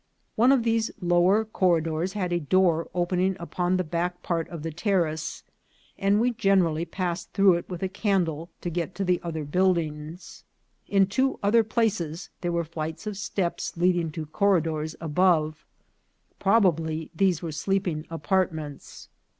One of these lower corridors had a door opening upon the back part of the terrace, and we generally passed through it with a candle to get to the other buildings. In two other places there were flights of steps leading to corridors above. Probably these were sleeping apartments.